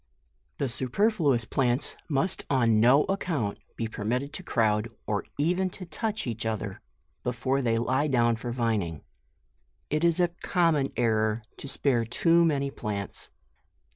The superfluous plants must on no account be permitted to crowd, or even to touch each other, before they lie down for vining. It is a common error to spare too man) plants.